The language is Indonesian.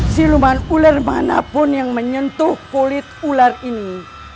siluman ular manapun yang menyentuh kulit ular ini